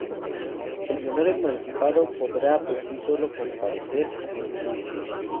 El menor emancipado podrá por sí solo comparecer en juicio.